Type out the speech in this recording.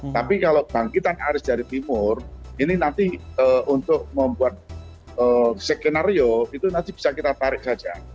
tapi kalau bangkitan aris dari timur ini nanti untuk membuat skenario itu nanti bisa kita tarik saja